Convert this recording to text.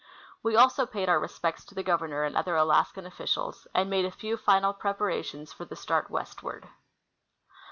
We also paid our respects to the Governor and other Alaskan officials, and made a few final preparations for the start westward.